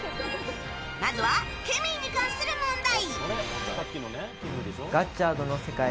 まずは、ケミーに関する問題。